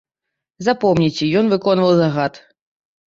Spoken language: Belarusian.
Запомніце, ён выконваў загад.